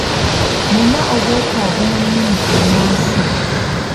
Nnina obwetaavu mu nnimi ennansi.